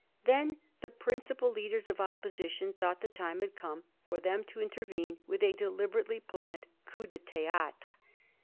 Then the principal leaders of Opposition thought the time had come for them to intervene with a deliberately planned coup de tliidtre.